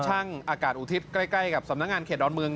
อากาศอุทิศใกล้กับสำนักงานเขตดอนเมือง